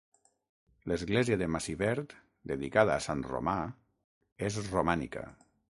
L'església de Massivert, dedicada a sant Romà, és romànica.